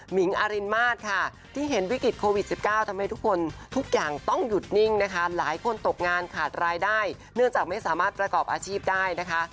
ิงอรินมาสค่ะที่เห็นวิกฤตโควิด๑๙ทำให้ทุกคนทุกอย่างต้องหยุดนิ่งนะคะหลายคนตกงานขาดรายได้เนื่องจากไม่สามารถประกอบอาชีพได้นะคะ